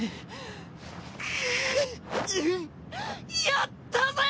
やったぜ！